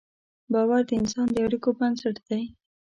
باور د انسان د اړیکو بنسټ دی.